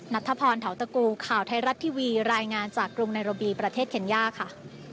นัทธพรเทาตะกูข่าวไทยรัฐทีวีรายงานจากกรุงไนโรบีประเทศเคนย่าค่ะ